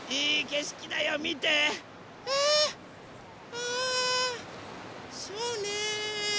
ああそうね。